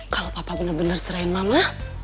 kalau papa bener bener serain mama